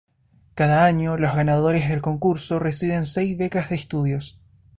Cada año, los ganadores del concurso reciben seis becas de estudios.